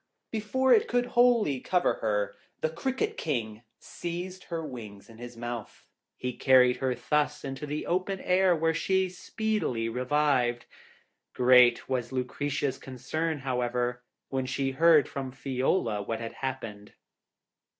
Before it could wholly cover her, the Cricket King seized her wings in his mouth; he carried her thus into the open air, where she speedily revived. Great was Lucretia's concern, however, when she heard from Fiola what had happened.